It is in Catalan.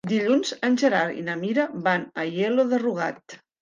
Dilluns en Gerard i na Mira van a Aielo de Rugat.